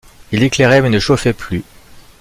Il éclairait, mais ne chauffait plus.